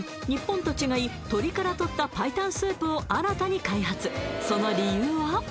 日本と違い鶏からとった白湯スープを新たに開発その理由は？